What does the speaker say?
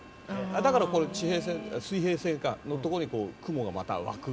だから、これ水平線のところに雲がまた湧く。